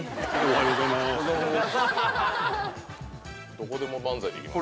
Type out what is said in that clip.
どこでも漫才できますね。